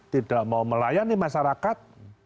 tidak mau melayani masyarakat